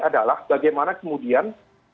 adalah bagaimana kemudian